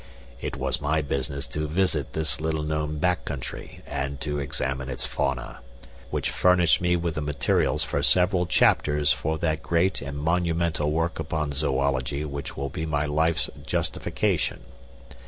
It was my business to visit this little known back country and to examine its fauna, which furnished me with the materials for several chapters for that great and monumental work upon zoology which will be my life's justification.